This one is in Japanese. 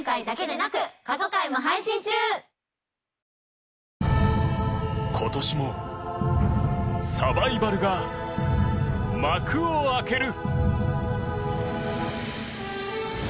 メロメロ今年もサバイバルが幕を開ける！